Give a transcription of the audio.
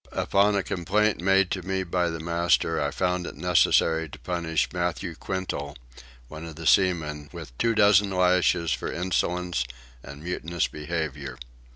Upon a complaint made to me by the master I found it necessary to punish Matthew Quintal, one of the seamen, with two dozen lashes for insolence and mutinous behaviour.